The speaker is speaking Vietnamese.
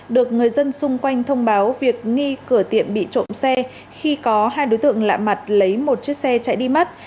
được người dân xung quanh thông báo việc nghi cửa tiệm bị trộm xe khi có hai đối tượng lạ mặt lấy một chiếc xe chạy đi mắt